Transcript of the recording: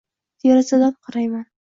Derazadan qarayman